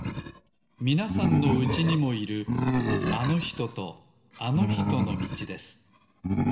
みなさんのうちにもいるあのひととあのひとのみちです